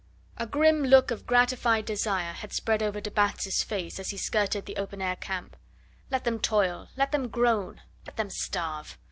A grim look of gratified desire had spread over de Batz' face as he skirted the open air camp. Let them toil, let them groan, let them starve!